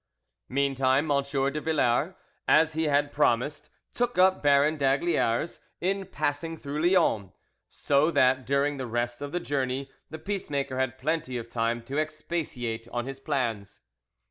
Meantime M. de Villars, as he had promised, took up Baron d'Aygaliers in passing through Lyons, so that during the rest of the journey the peacemaker had plenty of time to expatiate on his plans.